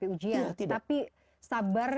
ujian tapi sabar